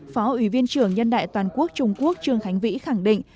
phó ủy viên trưởng nhân đại toàn quốc trung quốc trương khánh vĩ khẳng định